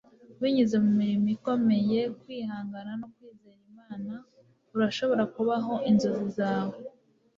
binyuze mu mirimo ikomeye, kwihangana no kwizera imana, urashobora kubaho inzozi zawe